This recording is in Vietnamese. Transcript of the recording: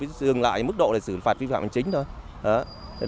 chúng tôi đừng lại mức độ xử phạt vi phạm hành chính thôi